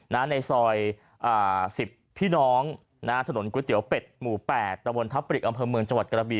ในซอย๑๐พี่น้องถนนก๋วยเตี๋ยวเป็ดหมู่๘ตะวนทัพปริกอำเภอเมืองจังหวัดกระบี